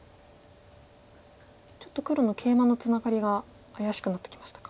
ちょっと黒のケイマのツナガリが怪しくなってきましたか。